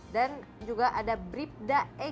dan juga ada bripta egy puskuri